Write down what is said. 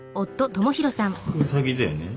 これウサギだよね